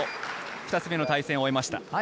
２つ目の対戦を終えました。